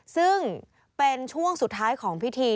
ซึ่งเป็นช่วงสุดท้ายของพิธี